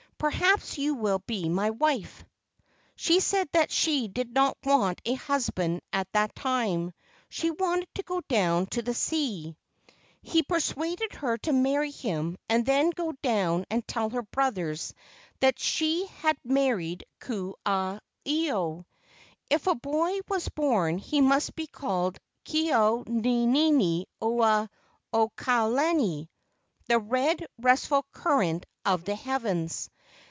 Perhaps you will be my wife." She said that she did not want a husband at that time. She wanted to go down to the sea. He persuaded her to marry him and then go down and tell her brothers that she had married Ku aha ilo. If a boy was born he must be called Ke au nini ula o ka lani (The red, restful current of the heavens).